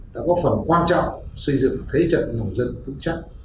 đã góp phần quan trọng xây dựng thế trận nồng dân vững chắc